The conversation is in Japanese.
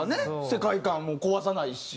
世界観も壊さないし。